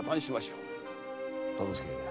忠相。